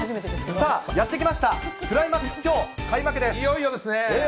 さあやって来ました、クライいよいよですね。